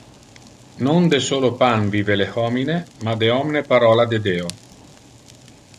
Non de solo pan vive le homine, ma de omne parola de Deo